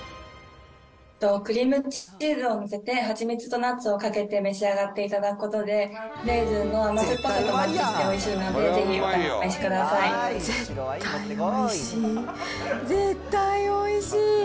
クリームチーズを載せて、蜂蜜とナッツをかけて召し上がっていただくことで、レーズンの甘ずっさぱとマッチしておいしいので、ぜひお試しくだ絶対おいしい、絶対おいしい。